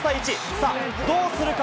さあどうするか？